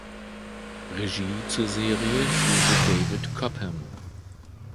Regie zur Serie führte David Cobham.